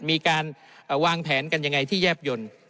มีการวางแผนกันยังไงที่แยบยนต์